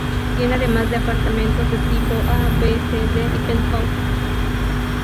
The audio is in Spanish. Tiene además apartamentos de tipo A, B, C, D y Penthouse.